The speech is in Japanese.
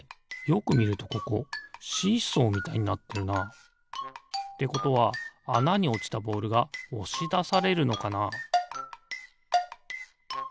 よくみるとここシーソーみたいになってるな。ってことはあなにおちたボールがおしだされるのかな？